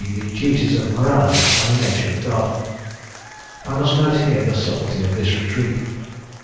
_ the duties of morality and the nature of God. I must note here the subtilty of this retreat.